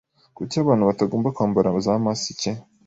Kuki abantu batagomba kwambara za masike